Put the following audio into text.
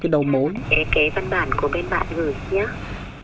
thế cái văn bản của bên bạn gửi nhá